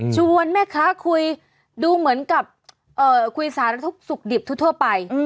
ชวนแม่ค้าคุยดูเหมือนกับคุยสารทุกข์สุขดิบทั่วไป